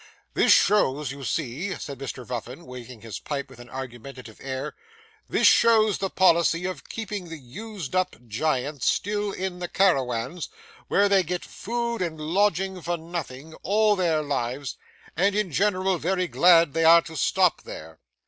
'This shows, you see,' said Mr Vuffin, waving his pipe with an argumentative air, 'this shows the policy of keeping the used up giants still in the carawans, where they get food and lodging for nothing, all their lives, and in general very glad they are to stop there.